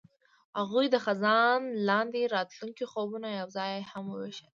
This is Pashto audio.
هغوی د خزان لاندې د راتلونکي خوبونه یوځای هم وویشل.